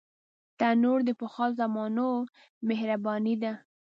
تنور د پخوا زمانو مهرباني ده